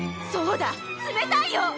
そうだ冷たいよ！